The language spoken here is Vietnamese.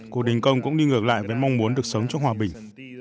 cuộc đình công cũng đi ngược lại với mong muốn được sống trong hòa bình